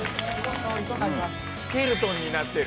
スケルトンになってる。